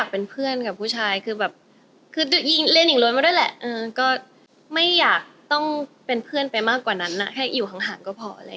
เป็นเพื่อนไปมากกว่านั้นนะแค่อยู่ห่างก็พอ